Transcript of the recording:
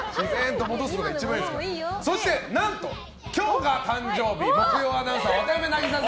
そして何と、今日が誕生日木曜アナウンサー、渡邊渚さん！